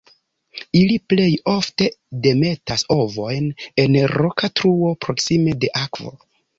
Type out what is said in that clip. Ili plej ofte demetas ovojn en roka truo proksime de akvo.